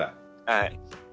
はい。